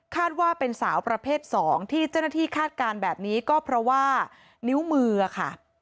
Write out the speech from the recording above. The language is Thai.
ว่าเป็นสาวประเภท๒ที่เจ้าหน้าที่คาดการณ์แบบนี้ก็เพราะว่านิ้วมือค่ะ